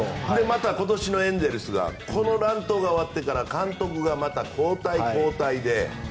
また今年のエンゼルスがこの乱闘が終わってから監督が交代、交代で。